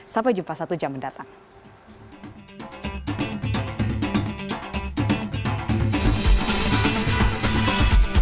sampai jumpa di video selanjutnya